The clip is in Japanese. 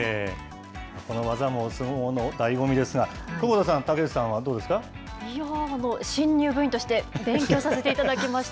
この技も、相撲のだいご味ですが、久保田さん、いやぁ、新入部員として、勉強させていただきました。